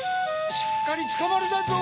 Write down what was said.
しっかりつかまるだぞ！